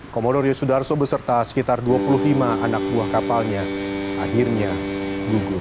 komodo yosudarso beserta sekitar dua puluh lima anak buah kapalnya akhirnya gugur